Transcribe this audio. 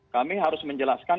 kami harus menjelaskan